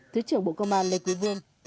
thứ trưởng bộ công an lê quý phương